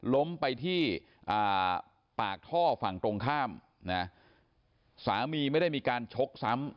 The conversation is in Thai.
ล้มไปที่ปากท่อฝั่งตรงข้ามนะสามีไม่ได้มีการชกซ้ำ